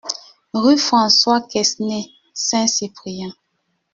Rue François Quesnay, Saint-Cyprien